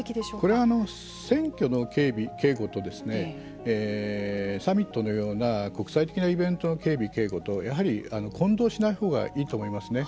これは選挙の警備・警護とサミットのような国際的なイベントの警備・警護とやはり混同しないほうがいいと思いますね。